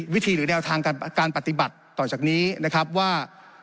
วิธีหรือแนวทางการปฏิบัติต่อจากนี้นะครับว่า